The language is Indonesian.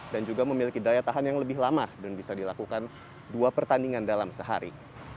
dan juga memiliki daya tahan yang lebih lama dan bisa dilakukan dua pertandingan dalam sehari